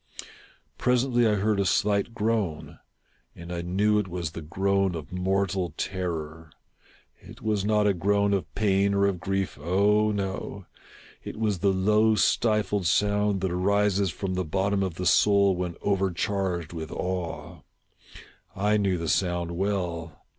Presently I heard a slight groan, and I knew it was the groan of mortal terror. It was not a groan of pain or of grief — oh, no !— it was the low stifled sound that arises from the bottom of the soul when overcharged with awe. I knew the sound well.